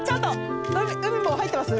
海も入ってます？